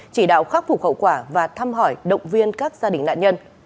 chỉ đạo khắc phục hậu quả và thăm hỏi động viên các gia đình nạn nhân